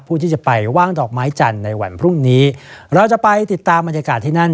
ผู้ที่จะไปว่างดอกไม้จันทร์ในวันพรุ่งนี้เราจะไปติดตามบรรยากาศที่นั่น